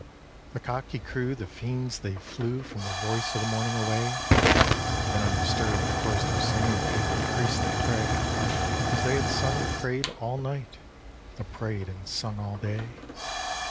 The cock he crew, the Fiends they flew From the voice of the morning away; Then undisturb'd the Choristers sing, And the fifty Priests they pray; As they had sung and pray'd all night, The pray'd and sung all day.